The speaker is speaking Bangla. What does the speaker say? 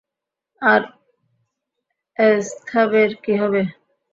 আর এস্থারের কী হবে?